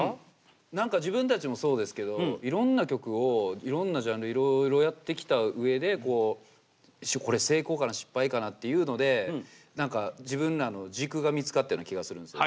何か自分たちもそうですけどいろんな曲をいろんなジャンルいろいろやってきたうえでこれ成功かな失敗かなっていうので何か自分らの軸が見つかったような気がするんですよ。